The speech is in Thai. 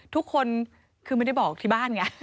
ทุกคนคือไม่ได้บอกที่บ้านไง